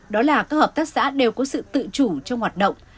đó là các hợp tác xã đều có sự tự chủ trong hoạt động